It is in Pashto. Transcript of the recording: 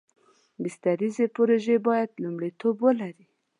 بنسټیزې پروژې باید لومړیتوب ولري.